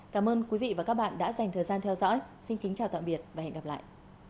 cảm ơn quý vị và các bạn đã dành thời gian theo dõi xin kính chào tạm biệt và hẹn gặp lại